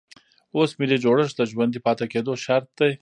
اوس ملي جوړښت د ژوندي پاتې کېدو شرط دی.